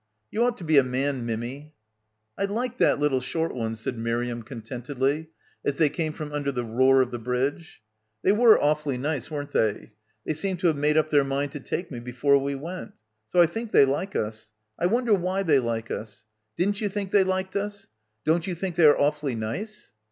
"You ought to be a man, Mimmy." "I liked that little short one," said Miriam contentedly as they came from under the roar of the bridge. "They were awfully nice, weren't — 16 — BACKWATER they? They seemed to have made up their mind to take me before we went. ... So I think they like us. I wonder why they like us. Didn't you think they liked us? Don't you think they are awfully nice?"